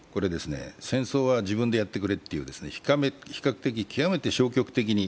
戦争は自分でやってくれという比較的、極めて消極的に。